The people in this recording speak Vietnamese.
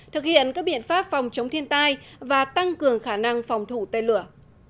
thực hiện các biện pháp phòng chống thiên tai và tăng cường khả năng phòng thủ tên lửa